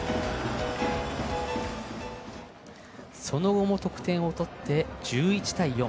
その後も得点を取って１１対４。